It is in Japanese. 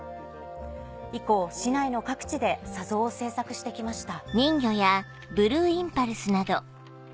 以降市内の各地で砂像を制作してきました。